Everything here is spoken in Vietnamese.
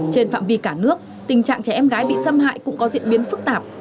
trên phạm vi cả nước tình trạng trẻ em gái bị xâm hại cũng có diễn biến phức tạp